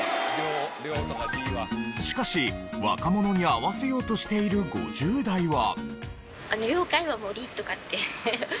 しかし若者に合わせようとしている５０代は。